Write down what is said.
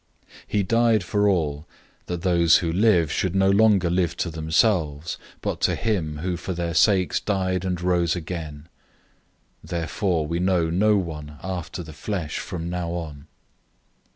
005:015 He died for all, that those who live should no longer live to themselves, but to him who for their sakes died and rose again. 005:016 Therefore we know no one after the flesh from now on.